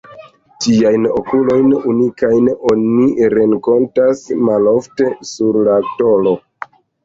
Tiajn okulojn, unikajn, oni renkontas malofte sur la tolo.